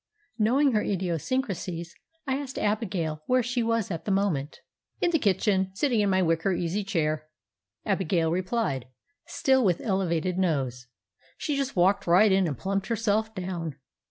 Knowing her idiosyncrasies, I asked Abigail where she was at the moment. "In the kitchen, sitting in my wicker easy chair," Abigail replied, still with elevated nose. "She just walked right in and plumped herself down."